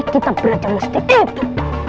kita berajam musti itu